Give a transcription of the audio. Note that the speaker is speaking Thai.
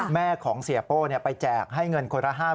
แม่ของเสียโป้ไปแจกให้เงินคนละ๕๐๐